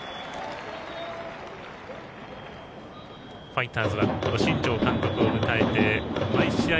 ファイターズは新庄監督を迎えて毎試合